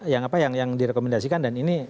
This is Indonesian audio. yang direkomendasikan dan ini